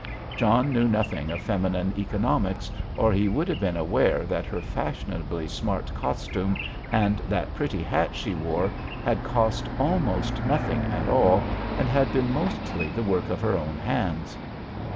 John knew nothing of feminine economics, or he would have been aware that her fashionably smart costume and that pretty hat she wore had cost almost nothing at all, and had been mostly the work of her own hands.